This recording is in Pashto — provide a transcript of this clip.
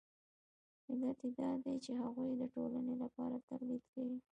علت یې دا دی چې هغوی د ټولنې لپاره تولید کوي